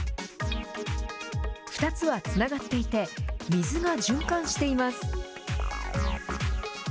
２つはつながっていて、水が循環しています。